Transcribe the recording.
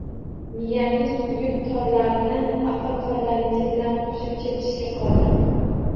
Miyangiz kulgu torlarini aql torlariningiz bilan qo'shib chertishga qodir!